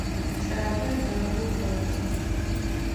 Кӏалэр дахэу къэшъо.